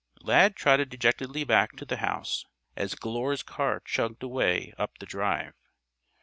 Lad trotted dejectedly back to the house as Glure's car chugged away up the drive.